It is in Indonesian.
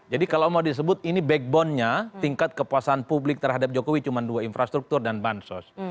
jadi kalau mau disebut ini backbone nya tingkat kepuasan publik terhadap jokowi cuma dua infrastruktur dan bansos